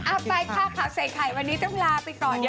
เอาไปค่ะข่าวใส่ไข่วันนี้ต้องลาไปก่อน